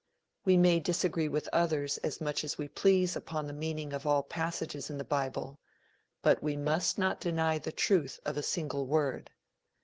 We may disagree with others as much as we please upon the meaning of all passages in the bible, but we must not deny the truth of a single word.